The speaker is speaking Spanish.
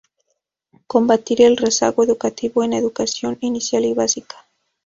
Combatir el rezago educativo en educación inicial y básica.